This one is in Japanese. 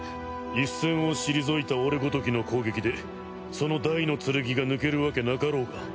一線を退いた俺ごときの攻撃でそのダイの剣が抜けるわけなかろうが。